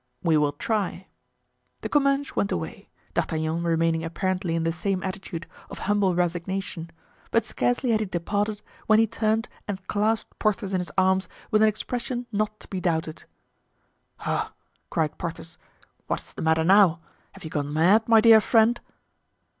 "We will try." De Comminges went away, D'Artagnan remaining apparently in the same attitude of humble resignation; but scarcely had he departed when he turned and clasped Porthos in his arms with an expression not to be doubted. "Oh!" cried Porthos; "what's the matter now? Have you gone mad, my dear friend?"